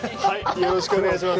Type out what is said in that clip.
よろしくお願いします。